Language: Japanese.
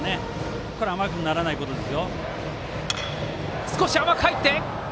ここから甘くならないことです。